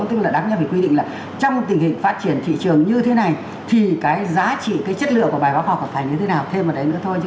tức là đáng nhất phải quy định là trong tình hình phát triển thị trường như thế này thì cái giá trị cái chất lượng của bài báo học còn phải như thế nào thêm vào đấy nữa thôi